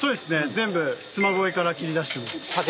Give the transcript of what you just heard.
全部つま恋から切り出したものです。